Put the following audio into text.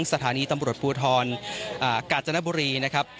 สถานีตำรวจภูทรกาญจนบุรีนะครับ